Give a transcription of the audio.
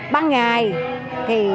ban ngày thì